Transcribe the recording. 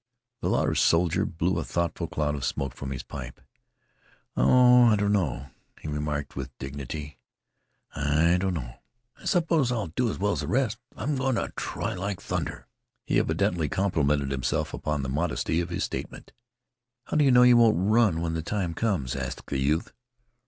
The loud soldier blew a thoughtful cloud of smoke from his pipe. "Oh, I don't know," he remarked with dignity; "I don't know. I s'pose I'll do as well as the rest. I'm going to try like thunder." He evidently complimented himself upon the modesty of this statement. "How do you know you won't run when the time comes?" asked the youth.